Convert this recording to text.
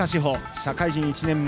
社会人１年目。